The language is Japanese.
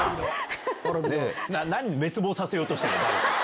ねぇ、何、滅亡させようとしてるの。